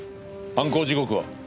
犯行時刻は？